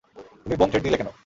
তুমি bomb threat দিলে কেন?